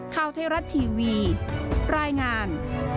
ข่าวไทยรัฐทีวีรายงาน